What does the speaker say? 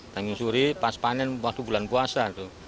timun suri pas panen waktu bulan puasa